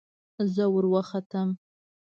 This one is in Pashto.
زه وروختم.